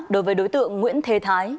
đối với đối tượng nguyễn thế thái